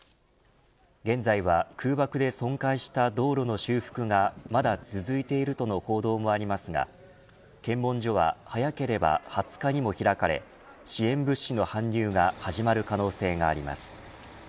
現在は、空爆で損壊した道路の修復がまだ続いているとの報道もありますが検問所は早ければ２０日にも開かれ支援物資の搬入が始まる可能性があります。